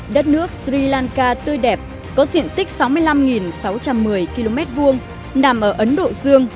hãy đăng ký kênh để ủng hộ kênh của chúng mình nhé